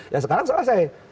ya sekarang selesai